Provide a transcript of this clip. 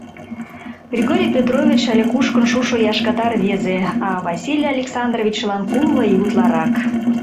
Григорий Петрович але кушкын шушо яшката рвезе, а Василий Александровичлан кумло ий утларак.